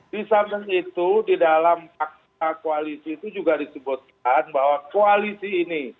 di samping itu di dalam fakta koalisi itu juga disebutkan bahwa koalisi ini